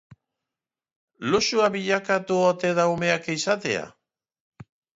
Luxua bilakatu ote da umeak izatea?